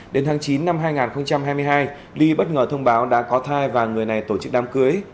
đến tháng chín năm hai nghìn hai mươi hai ly bất ngờ thông báo đã có thai và người này tổ chức đám cưới